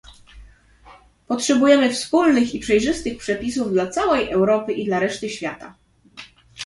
Potrzebujemy wspólnych i przejrzystych przepisów dla całej Europy i dla reszty świata